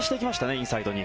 インサイドに。